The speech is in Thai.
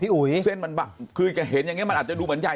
เห็นมันเปล่าแค่เห็นอย่างเนี้ยมันอาจจะดูเหมือนจ่าย